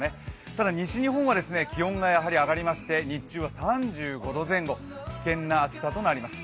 ただ西日本は気温が上がりまして日中は３５度前後、危険な暑さとなります。